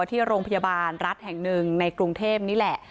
ที่โรงพยาบาลรัฐแห่งหนึ่งในกรุงเทพนี่แหละ